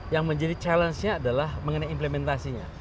yang menjadi challenge nya adalah mengenai implementasinya